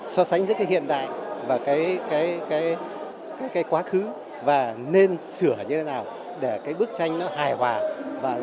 so sánh với cái hiện đại và cái cái cái cái quá khứ và nên sửa như thế nào để cái bức tranh nó hài hòa